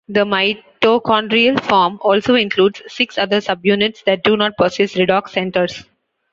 The mitochondrial form also includes six other subunits that do not possess redox centres.